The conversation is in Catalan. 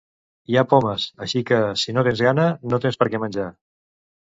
Hi ha pomes, així que, si no tens gana, no tens per què menjar.